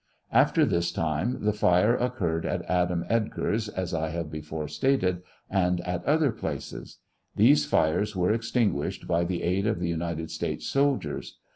After this time, the fire occurred at Adam Edgar's, as I have before stated, and at other places. These fires were extinguished by the aid of the United States soldiers.